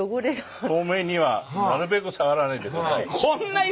透明にはなるべく触らないでください。